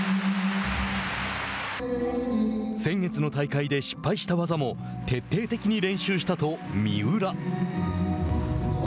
先月の大会で失敗した技も徹底的に練習したと三浦。